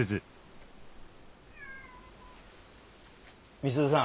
美鈴さん